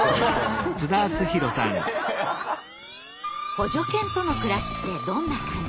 補助犬との暮らしってどんな感じ？